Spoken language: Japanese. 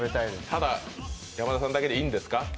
ただ、山田さんだけでいいんですか？